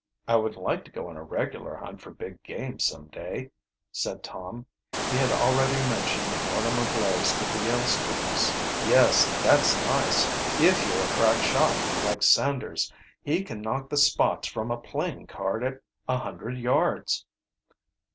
"I would like to go on a regular hunt for big game some day," said Tom. He had already mentioned Mortimer Blaze to the Yale students. "Yes, that's nice if you are a crack shot, like Sanders. He can knock the spots from a playing card at a hundred yards."